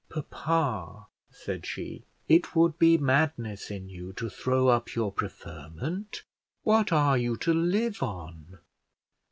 "Papa," said she, "it would be madness in you to throw up your preferment. What are you to live on?"